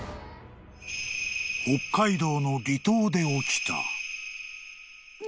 ［北海道の離島で起きた］